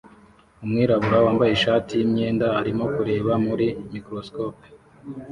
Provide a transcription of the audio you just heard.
Umwirabura wambaye ishati yimyenda arimo kureba muri microscope